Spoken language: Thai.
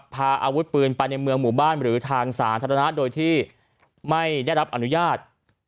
พาอาวุธปืนไปในเมืองหมู่บ้านหรือทางสาธารณะโดยที่ไม่ได้รับอนุญาต